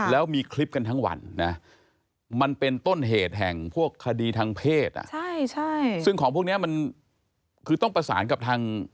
แล้วมีคลิปกันทั้งวันนะมันเป็นต้นเหตุแห่งพวกคดีทางเพศซึ่งของพวกนี้มันคือต้องประสานกับทาง